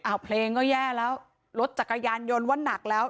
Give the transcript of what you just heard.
เอาเพลงก็แย่แล้วรถจักรยานยนต์ว่านักแล้ว